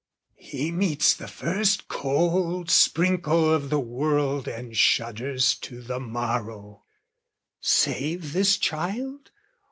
He meets the first cold sprinkle of the world And shudders to the marrow, "Save this child?